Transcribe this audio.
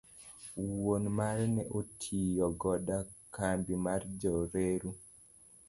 Wuon mare ne otiyo koda kambi mar Jo reru.